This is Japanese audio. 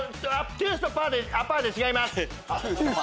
トゥースとアパーで違います。